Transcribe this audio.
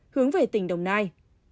hướng về tỉnh đồng nai